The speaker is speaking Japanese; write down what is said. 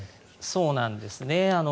そうなんですね。